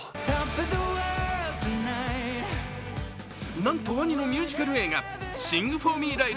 なんとワニのミュージカル映画「シング・フォー・ミー、ライル」。